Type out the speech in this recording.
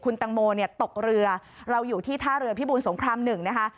คุณตังโมเนี่ยตกเรือเราอยู่ที่ท่าเรือพิบูรสงคราม๑นะคะ